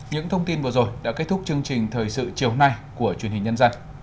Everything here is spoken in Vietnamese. những thông tin vừa rồi đã kết thúc chương trình thời sự chiều nay của truyền hình nhân dân